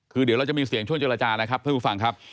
คือเดี๋ยวเราจะมีเสียงช่วงเจรจานะครับ